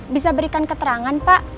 bisa berikan keterangan pak